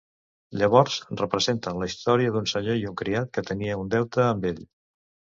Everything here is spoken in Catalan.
Llavors, representen la història d'un senyor i un criat que tenia un deute amb ell.